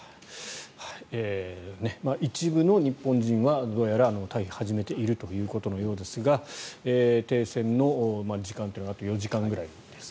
一部の日本人はどうやら退避を始めているということのようですが停戦の時間というのがあと４時間くらいですか。